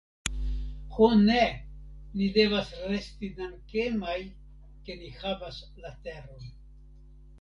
Ho ne, ni devas resti dankemaj ke ni havas la teron.